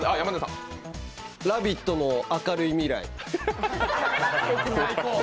「ラヴィット！」の明るい未来。